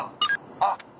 あっ！